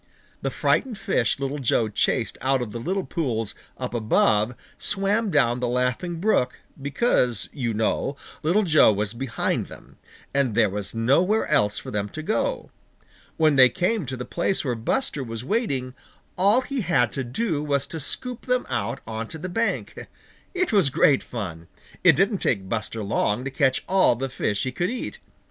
The frightened fish Little Joe chased out of the little pools up above swam down the Laughing Brook, because, you know, Little Joe was behind them, and there was nowhere else for them to go. When they came to the place where Buster was waiting, all he had to do was to scoop them out on to the bank. It was great fun. It didn't take Buster long to catch all the fish he could eat.